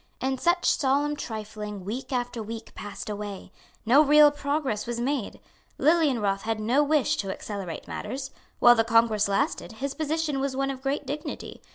In such solemn trifling week after week passed away. No real progress was made. Lilienroth had no wish to accelerate matters. While the congress lasted, his position was one of great dignity.